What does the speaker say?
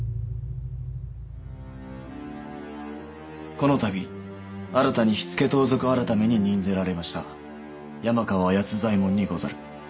この度新たに火付盗賊改に任ぜられました山川安左衛門にござる。